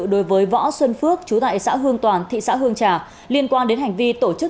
đối với võ xuân phước chú tại xã hương toàn thị xã hương trà liên quan đến hành vi tổ chức